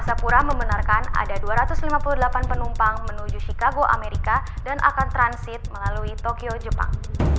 sapura membenarkan ada dua ratus lima puluh delapan penumpang menuju chicago amerika dan akan transit melalui tokyo jepang